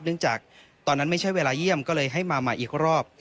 จากตอนนั้นไม่ใช่เวลาเยี่ยมก็เลยให้มาใหม่อีกรอบ